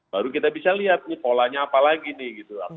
baru kita bisa lihat nih polanya apa lagi nih gitu